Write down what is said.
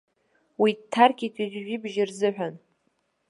Уи дҭаркит ҩажәи жәибжь рзыҳәан.